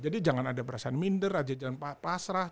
jadi jangan ada perasaan minder jangan pasrah